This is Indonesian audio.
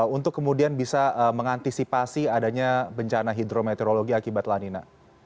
untuk kemudian bisa mengantisipasi adanya bencana hidrometeorologi akibat lanina